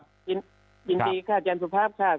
ยินดีค่ะอาจารย์สุภาพค่ะ